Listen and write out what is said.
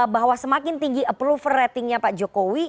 bahwa semakin tinggi approval ratingnya pak jokowi